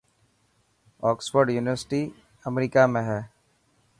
اوڪسفرڊ يونيورسٽي امريڪا ۾ هي.